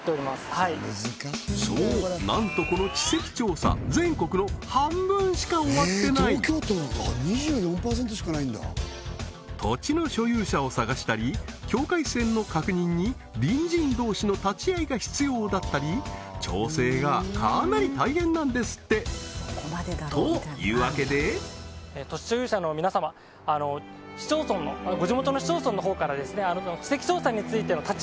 はいそうなんとこの地籍調査全国の半分しか終わってない土地の所有者を探したり境界線の確認に隣人同士の立ち会いが必要だったり調整がかなり大変なんですってというわけで高田さんが定年するまでにできますか？